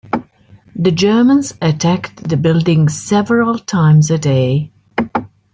The Germans attacked the building several times a day.